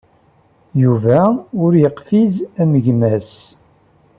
Yuba ur yeqfiz am gma-s.